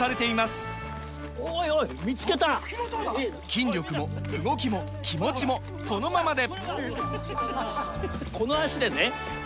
筋力も動きも気持ちもこのままで！